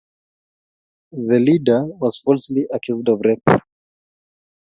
The leader was falsely accused of rape.